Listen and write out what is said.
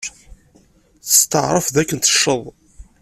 Testeɛṛef dakken tecceḍ.